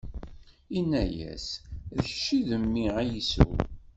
Inna-yas: D kečč i d mmi Ɛisu?